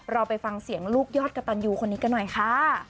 เราไปฟังเสียงลูกยอดกระตันยูคนนี้กันหน่อยค่ะ